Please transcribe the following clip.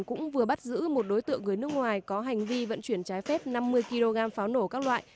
cũng vừa bắt giữ một đối tượng người nước ngoài có hành vi vận chuyển trái phép năm mươi kg pháo nổ các loại